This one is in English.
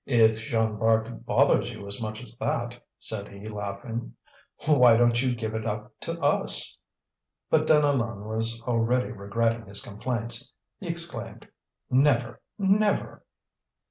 "If Jean Bart bothers you as much as that," said he, laughing, "why don't you give it up to us?" But Deneulin was already regretting his complaints. He exclaimed: "Never, never!"